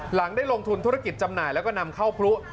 หลังได้ลงทุนธุรกิจจำหน่ายแล้วก็นำเข้าพลุ